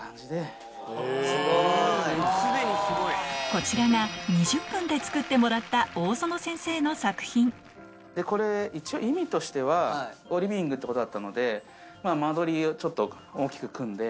こちらが２０分で作ってもらった一応意味としてはリビングってことだったので間取り大きく組んで。